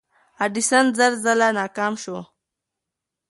ایډیسن زر ځله ناکام شو.